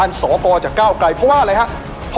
อัศวินตรีอัศวินตรี